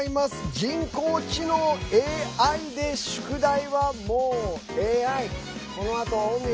人工知能＝ＡＩで宿題は、もうええぁい！